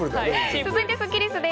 続いてスッキりすです。